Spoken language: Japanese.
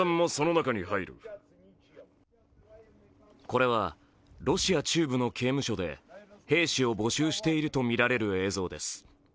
これはロシア中部の刑務所で兵士を募集しているとみられる映像です。